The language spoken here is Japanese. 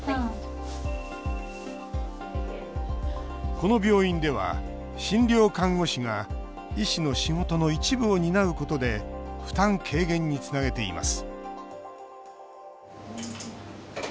この病院では診療看護師が医師の仕事の一部を担うことで負担軽減につなげています